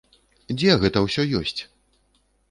Дзе гэта ўсё ёсць?